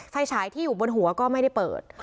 ไฟไฉท์อยู่บนหัวก็ไม่ได้เปิด